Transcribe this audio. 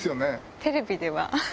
テレビでは。